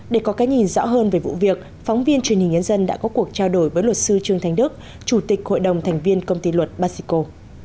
để có cái nhìn rõ hơn về vụ việc phóng viên truyền hình nhân dân đã có cuộc trao đổi với luật sư trương thanh đức chủ tịch hội đồng thành viên công ty luật basico